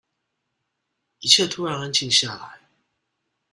一切突然安靜下來